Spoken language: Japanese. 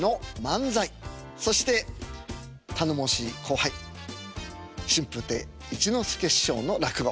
そして頼もしい後輩春風亭一之輔師匠の落語。